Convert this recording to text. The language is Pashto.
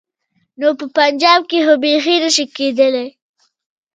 نو په پنجاب کې خو بيخي نه شي کېدای.